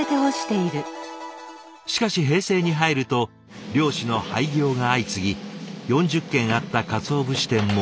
しかし平成に入ると漁師の廃業が相次ぎ４０軒あった鰹節店も４軒に。